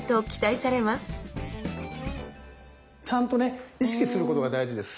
ちゃんと意識することが大事です。